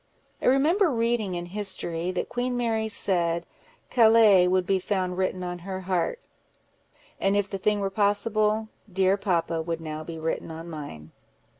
I remember reading in history, that Queen Mary said, 'Calais would be found written on her heart;' and if the thing were possible, 'dear papa' would now be written on mine."